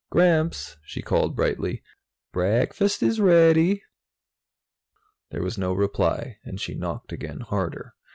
"Gramps," she called brightly, "break fast is rea dy." There was no reply and she knocked again, harder.